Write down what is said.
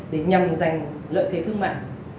để nhằm giành lợi thế thương mại